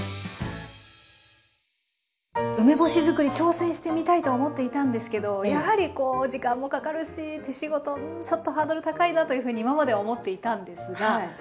梅干し作り挑戦してみたいと思っていたんですけどやはり時間もかかるし手仕事ちょっとハードル高いなというふうに今までは思っていたんですが今回は？